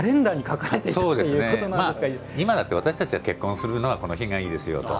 今だって、私たちが結婚するのはこの日がいいですよと。